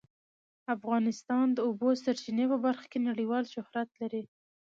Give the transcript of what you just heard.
افغانستان د د اوبو سرچینې په برخه کې نړیوال شهرت لري.